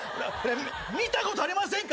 見たことありませんか？